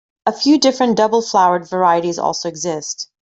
A few different double-flowered varieties also exist.